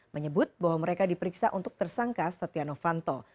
menyebut bahwa mereka diperiksa untuk tersangka satyano fanto